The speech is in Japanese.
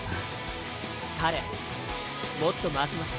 彼もっと回しますよ。